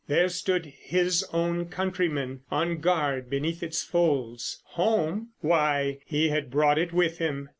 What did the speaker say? There stood his own countrymen on guard beneath its folds. Home? Why, he had brought it with him.